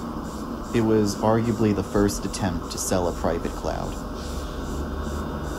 It was arguably the first attempt to sell a private cloud.